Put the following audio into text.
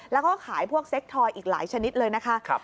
แล้วก็ขายพวกเซ็กทอยอีกหลายชนิดเลยนะคะ